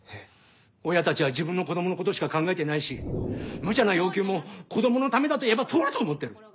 親たちは自分の子供のことしか考えてないしむちゃな要求も子供のためだと言えば通ると思ってる！